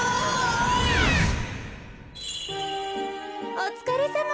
おつかれさま。